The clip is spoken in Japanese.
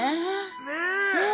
ねえ。